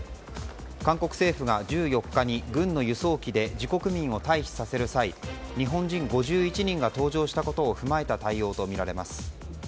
韓国政府が１４日に軍の輸送機で自国民を退避させる際日本人５１人が搭乗したことを踏まえた対応とみられます。